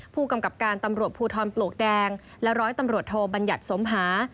ผู้กำกับการตำรวจภูทรปลวกแดงและร้อยตำรวจโทบัญญัติสมหา